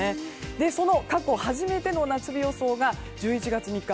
その過去初めての夏日予想が１１月３日